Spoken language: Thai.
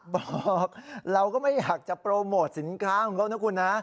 บอกเราก็ไม่อยากจะโปรโมทสินค้าของเขานะคุณนะ